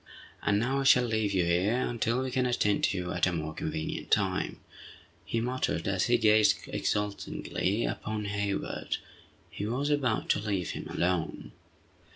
"And now I shall leave you here until we can attend to you at a more convenient time!" he muttered, as he gazed exultingly upon Hayward. He was about to leave him alone.